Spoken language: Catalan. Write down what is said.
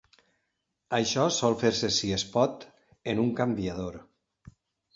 Això sol fer-se, si es pot, en un canviador.